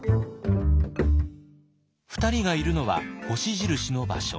２人がいるのは星印の場所。